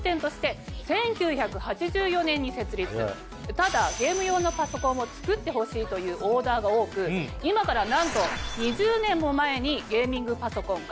ただゲーム用のパソコンを作ってほしいというオーダーが多く今からなんと２０年も前に。